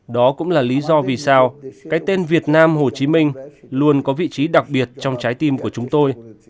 đó cũng là lý do vì sao cái tên việt nam hồ chí minh luôn có vị trí đặc biệt trong trái tim của chúng tôi